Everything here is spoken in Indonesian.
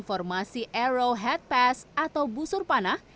formasi aero head pass atau busur panah